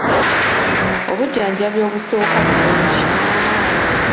Obujjanjabi obusooka bulungi.